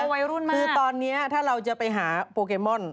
วัยรุ่นมากคือตอนนี้ถ้าเราจะไปหาโปเกมอน